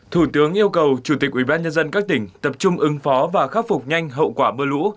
thủ tướng yêu cầu chủ tịch ủy ban nhân dân các tỉnh tập trung ứng phó và khắc phục nhanh hậu quả mưa lũ